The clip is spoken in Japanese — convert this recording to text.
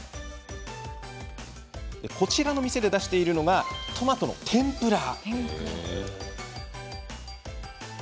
こちらの店で出しているのがトマトの天ぷら。